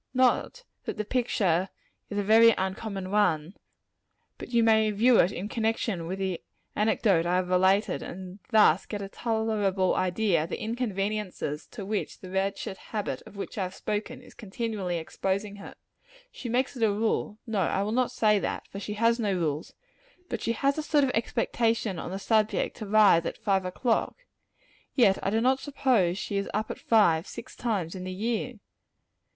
Not that the picture is a very uncommon one, but that you may view it in connection with the anecdote I have related, and thus get a tolerable idea of the inconveniences to which the wretched habit of which I have spoken, is continually exposing her. She makes it a rule no, I will not say that, for she has no rules, but she has a sort of expectation on the subject to rise at five o'clock. Yet I do not suppose she is up at five, six times in the year.